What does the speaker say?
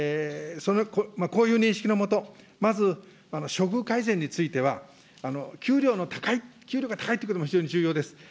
こういう認識の下、まず処遇改善については、給料の高い、給料が高いということも非常に重要です。